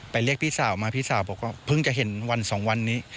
เรียกพี่สาวมาพี่สาวบอกว่าเพิ่งจะเห็นวันสองวันนี้